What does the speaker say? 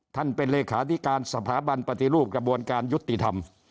ท่านเป็นโลคาและการที่สภาบันปฏิลูกกระบวนการยุติธรรม